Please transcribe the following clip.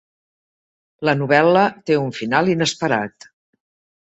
La novel·la té un final inesperat.